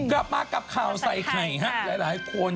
กลับมากกลับข่าวไดไข่หลายคน